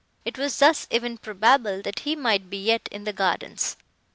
It was thus even probable, that he might be yet in the gardens.